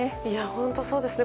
本当、そうですね。